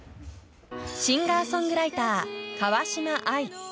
シンガーソングライター川嶋あい。